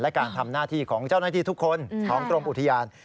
และการทำหน้าที่ของเจ้าหน้าที่ทุกคนของกรมอุทยาน